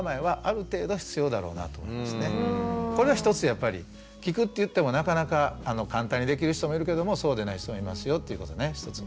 やっぱり聴くっていってもなかなか簡単にできる人もいるけどもそうでない人もいますよっていうことね。